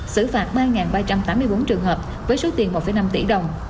xử phạt ba ba trăm tám mươi bốn trường hợp với số tiền một năm tỷ đồng